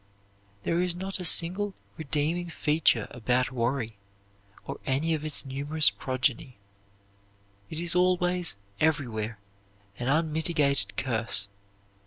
There is not a single redeeming feature about worry or any of its numerous progeny. It is always, everywhere, an unmitigated curse.